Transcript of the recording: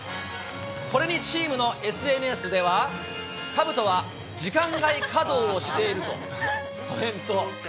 これにチームのＳＮＳでは、かぶとは時間外稼働をしているとコメント。